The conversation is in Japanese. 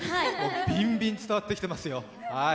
ビンビン伝わってきてますよ。